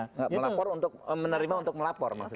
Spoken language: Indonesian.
tidak melapor untuk menerima untuk melapor